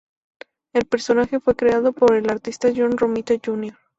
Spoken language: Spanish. El personaje fue creado por el artista John Romita Jr.